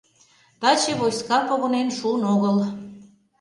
— Таче войска погынен шуын огыл.